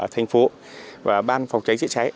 thành phố và ban phòng cháy diễn cháy